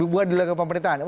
bukan di lingkungan pemerintahan